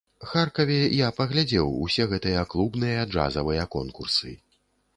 Харкаве я паглядзеў усе гэтыя клубныя джазавыя конкурсы.